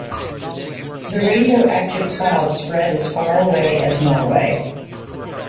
The radioactive cloud spread as far away as Norway.